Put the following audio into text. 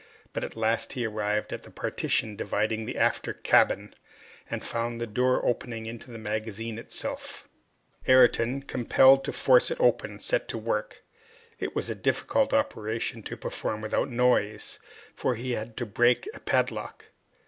But at last he arrived at the partition dividing the aftercabin, and found the door opening into the magazine itself. Ayrton, compelled to force it open, set to work. It was a difficult operation to perform without noise, for he had to break a padlock.